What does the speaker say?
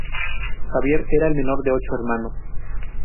Javier era el menor de ocho hermanos.